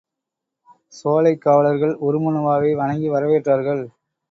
சோலைக் காவலர்கள் உருமண்ணுவாவை வணங்கி வரவேற்றார்கள்.